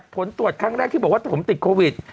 ผลตรวจครั้งแรกที่บอกว่าผมติดโควิด